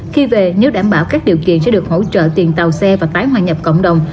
khi về nếu đảm bảo các điều kiện sẽ được hỗ trợ tiền tàu xe và tái hòa nhập cộng đồng